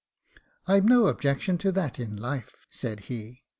'I've no objection to that in life,' said he.